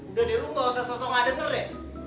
udah deh lo gak usah seng seng gak denger ya